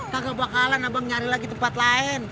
kagak bakalan abang nyari lagi tempat lain